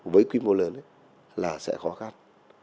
với quy mô lớn là sẽ khó khăn